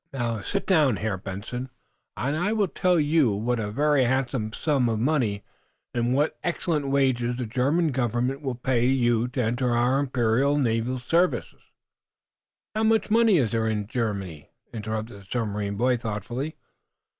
"Now, sit down, Herr Benson, and I will tell you what a very handsome sum of money, and what excellent wages, the German government will pay you to enter our imperial naval service." "How much money is there in Germany?" interrupted the submarine boy, thoughtfully.